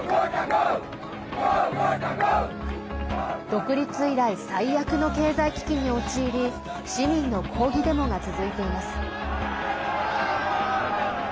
独立以来最悪の経済危機に陥り市民の抗議デモが続いています。